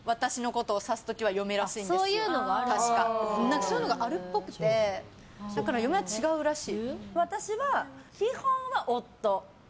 そういうのがあるっぽくてだから嫁は違うらしい。